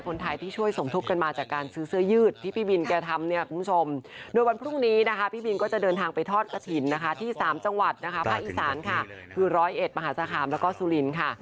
พระอีสานค่ะคือร้อยเอ็ดมหาสาขามแล้วก็สุรินทร์ค่ะ